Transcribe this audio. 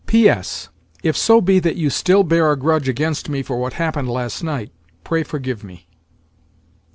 "P.S.—If so be that you still bear a grudge against me for what happened last night, pray forgive me."